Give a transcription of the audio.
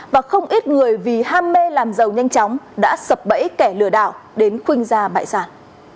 và không ít người vì ham mê làm giàu nhanh chóng đã sập bẫy kẻ lừa đảo đến khuynh ra bại sản